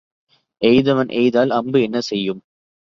எய்தவன் எய்தால் அம்பு என்ன செய்யும்?